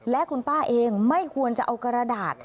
และคุณป้าเองไม่ควรจะเอากระดาษ